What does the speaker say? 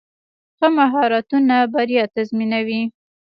ښه مهارتونه بریا تضمینوي.